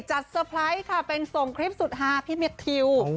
เซอร์ไพรส์ค่ะเป็นส่งคลิปสุดฮาพี่แมททิว